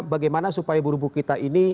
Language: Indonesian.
bagaimana supaya buruh buruh kita ini